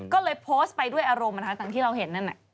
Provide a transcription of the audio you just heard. ก็เลยโพสต์ไปด้วยอารมณ์ตั้งที่เห็นนั้น